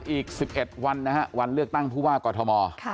อีก๑๑วันนะฮะวันเลือกตั้งผู้ว่ากอทม